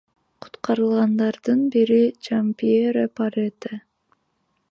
Куткарылгандардын бири Жампьеро Парете.